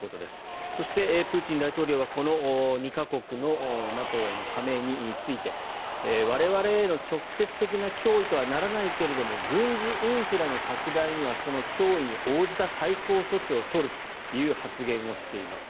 そしてプーチン大統領はこの２か国のＮＡＴＯ加盟について我々への直接的な脅威とはならないけれども軍事インフラの拡大にはその脅威に応じた対抗措置を取るという発言をしています。